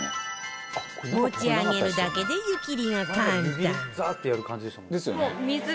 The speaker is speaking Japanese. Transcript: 持ち上げるだけで湯切りが簡単